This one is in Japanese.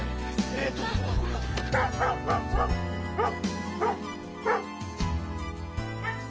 えっ？